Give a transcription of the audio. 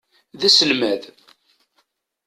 D aselmad.